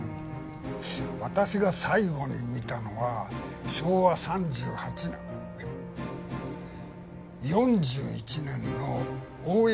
私が最後に見たのは昭和３８年いや４１年の大山・升田の。